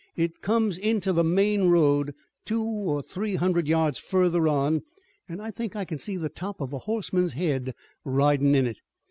It comes into the main road, two or three hundred yards further on, an' I think I can see the top of a horseman's head ridin' in it.